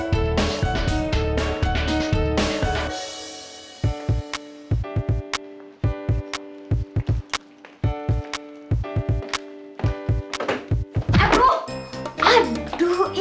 lu tuh gimana sih